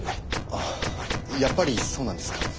ああやっぱりそうなんですか。